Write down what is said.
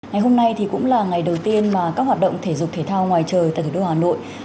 ngày hôm nay thì cũng là ngày đầu tiên mà các hoạt động thể dục thể thao ngoài trời tại thủ đô hà nội